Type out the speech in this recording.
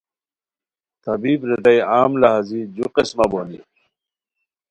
طبیب ریتائے عام لہازی جُو قسمہ بونی